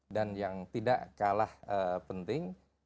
dan yang tidak kalah penting